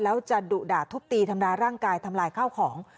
แล้วจะดุด่าทุบตีทำร้ายร่างกายทำลายข้าวของ